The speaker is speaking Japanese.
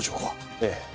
ええ。